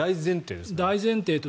大前提で。